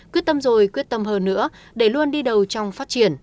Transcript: quyết tâm rồi quyết tâm hơn nữa để luôn đi đầu trong phát triển